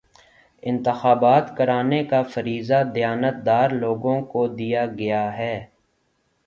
انتخابات کرانے کا فریضہ دیانتدار لوگوں کو دیا گیا ہے